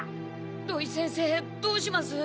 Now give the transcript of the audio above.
土井先生どうします？